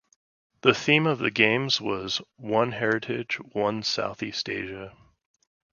The theme of the games was "One Heritage, One Southeast Asia".